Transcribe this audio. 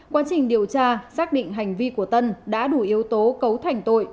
quá trình điều tra xác định hành vi của tân đã đủ yếu tố cấu thành tội